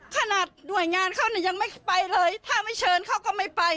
ขนาดหน่วยงานเขาเนี่ยยังไม่ไปเลยถ้าไม่เชิญเขาก็ไม่ไป